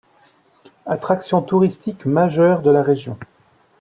Attraction touristique majeure de la région.